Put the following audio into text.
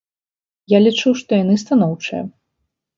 Я лічу, што яны станоўчыя.